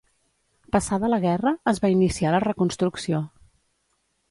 Passada la guerra es va iniciar la reconstrucció.